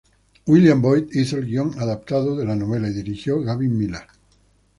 William Boyd hizo el guion adaptado de la novela y dirigió Gavin Millar.